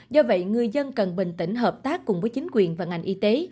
do vậy người dân cần bình tĩnh hợp tác cùng với chính quyền và ngành y tế